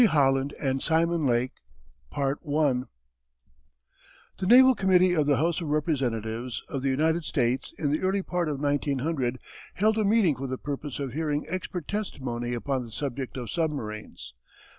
HOLLAND AND SIMON LAKE The Naval Committee of the House of Representatives of the United States in the early part of 1900 held a meeting for the purpose of hearing expert testimony upon the subject of submarines.